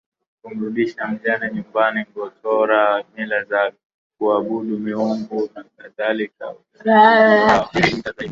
kumrudisha mjane nyumbani Ngotora mila za kuabudu miungu nakadhalika ulanzi ndio huwa unatumika zaidi